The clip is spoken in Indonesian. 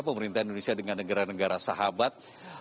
pemerintah indonesia dengan negara negara sahabat